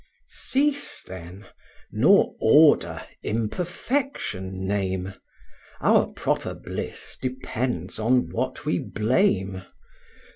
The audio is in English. X. Cease, then, nor order imperfection name: Our proper bliss depends on what we blame.